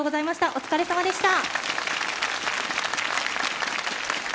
お疲れさまでした。